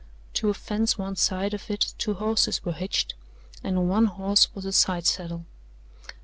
To a fence one side of it two horses were hitched and on one horse was a side saddle.